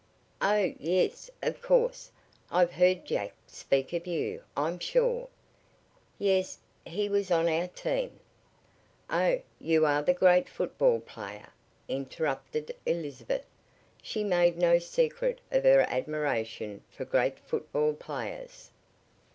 "Oh, yes, of course. I've heard Jack speak of you, I'm sure." "Yes, he was on our team " "Oh, you are the great football player," interrupted Elizabeth. She made no secret of her admiration for "great football players."